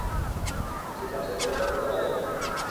ঠিক আছে, পরে তর্ক করা যাবে।